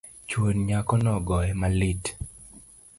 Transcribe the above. Chuor nyakono ogoye malit